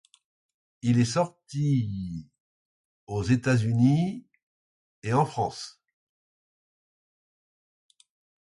Il est sorti le aux États-Unis et le en France.